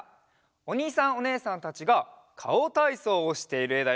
おにいさんおねえさんたちが「かおたいそう」をしているえだよ。